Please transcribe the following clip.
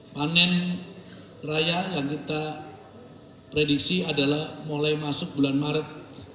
panen raya yang kita prediksi adalah mulai masuk bulan maret